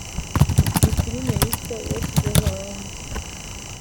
Ni filime yitwa What goes around